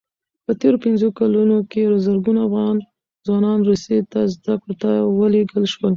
په تېرو پنځو کلونو کې زرګونه افغان ځوانان روسیې ته زدکړو ته ولېږل شول.